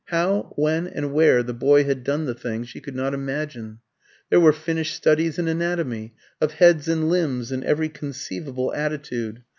How, when, and where the boy had done the things, she could not imagine. There were finished studies in anatomy, of heads and limbs in every conceivable attitude.